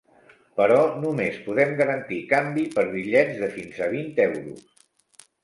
Però només podem garantir canvi per bitllets de fins a vint euros.